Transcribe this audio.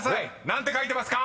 何て書いてますか？］